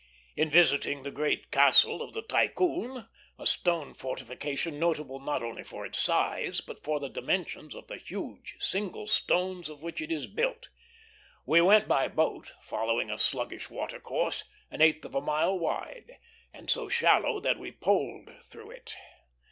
In visiting the great castle of the Tycoon, a stone fortification notable not only for its own size, but for the dimensions of the huge single stones of which it is built, we went by boat, following a sluggish watercourse, an eighth of a mile wide, and so shallow that we poled through it.